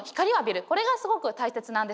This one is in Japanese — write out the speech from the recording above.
これがすごく大切なんです。